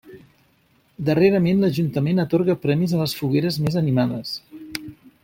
Darrerament l'ajuntament atorga premis a les fogueres més animades.